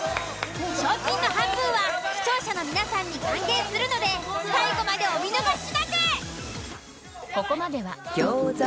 ［賞金の半分は視聴者の皆さんに還元するので最後までお見逃しなく！］